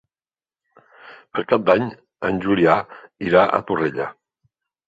Per Cap d'Any en Julià irà a Torrella.